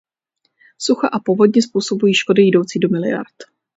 Sucha a povodně způsobují škody jdoucí do miliard.